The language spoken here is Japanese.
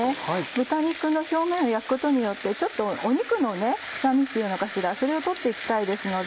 豚肉の表面を焼くことによって肉の臭みっていうのかそれを取っていきたいですので。